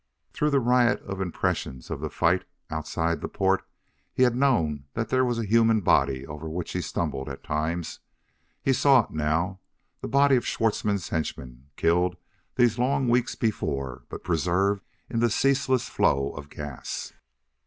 Through the riot of impressions of the fight outside the port, he had known that there was a human body over which he stumbled at times. He saw it now the body of Schwartzmann's henchman, killed these long weeks before but preserved in the ceaseless flow of gas.